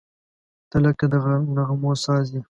• ته لکه د نغمو ساز یې.